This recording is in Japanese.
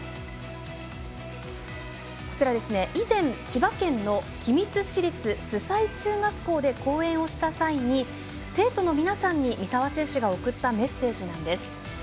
こちらは以前千葉県の君津市立周西中学校で講演した際に、生徒の皆さんに三澤選手が送ったメッセージです。